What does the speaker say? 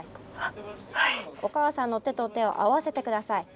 おかあさんの手と手を合わせて下さい。